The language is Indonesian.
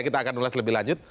kita akan ulas lebih lanjut